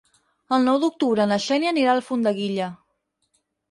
El nou d'octubre na Xènia anirà a Alfondeguilla.